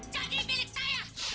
jadi milik saya